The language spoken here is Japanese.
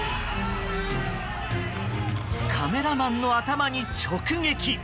カメラマンの頭に直撃。